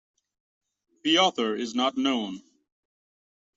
The author is not known.